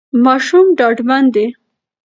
ماشوم ډاډمن دی.